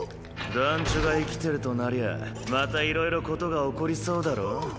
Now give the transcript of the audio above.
団ちょが生きてるとなりゃまたいろいろ事が起こりそうだろ？